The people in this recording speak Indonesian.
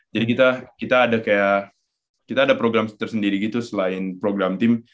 kita ada kayak kita ada program tersendiri gitu selain program tim